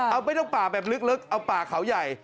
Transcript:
เอาไม่ต้องป่าแบบลึกเอาป่าเขาใหญ่